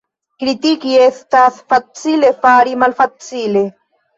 Kritiki estas facile, fari malfacile.